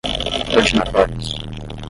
ordinatórios